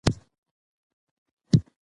باران له سهار راهیسې په دوامداره توګه ورېږي.